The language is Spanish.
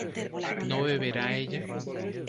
¿no beberá ella?